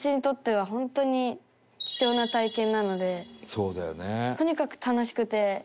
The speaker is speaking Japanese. そうだよね。